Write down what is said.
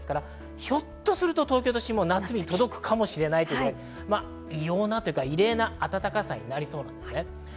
ひょっとすると東京都心も夏日に届くかもしれないという異例な暖かさになりそうなんです。